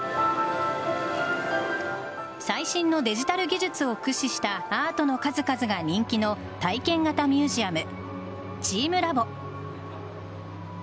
最新のデジタル技術を駆使したアートの数々が人気の体験型ミュージアムチームラボ。